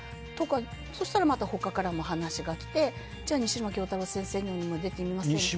そしたら他からも話が来てじゃあ、西村京太郎先生のにも出てみませんか？